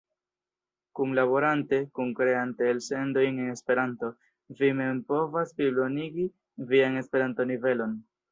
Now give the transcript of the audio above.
Kunlaborante, kunkreante elsendojn en Esperanto, vi mem povas plibonigi vian Esperanto-nivelon.